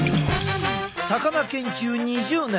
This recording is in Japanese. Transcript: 魚研究２０年！